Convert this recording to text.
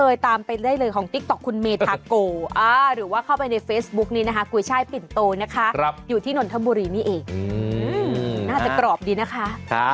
อยากกินอยากไปพิสูจน์ความอร่อยนะจ๊ะ